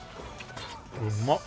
うまっ！